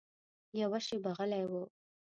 يوه شېبه غلی و.